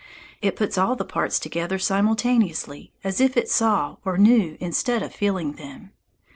It puts all the parts together simultaneously as if it saw or knew instead of feeling them.